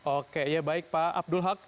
oke ya baik pak abdul hak